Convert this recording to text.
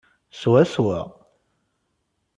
Swaswa.